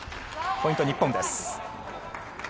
ポイント、日本です。